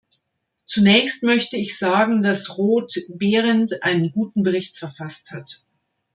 Zunächst möchte ich sagen, dass Roth-Behrendt einen guten Bericht verfasst hat.